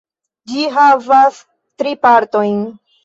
Ĝi havas tri partojn.